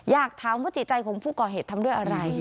อยากถามว่าจิตใจของผู้ก่อเหตุทำด้วยอะไร